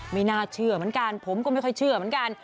ไม่น่าเชื่อเหมือนกันผมก็ไม่ค่อยเชื่อเหมือนกัน